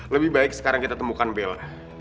lebih baik sekarang kita temukan bella